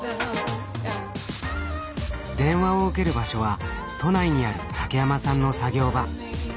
電話を受ける場所は都内にある竹山さんの作業場。